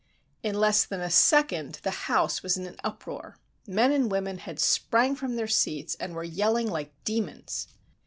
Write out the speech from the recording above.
In less than a second the house was in an uproar. Men and women had sprang from their seats and were yelling like demons.